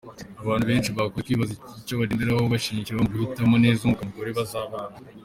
Abantu benshi bakunze kwibaza icyo bagenderaho-bashingiraho mu guhitamo neza umugabo-umugore bazabana.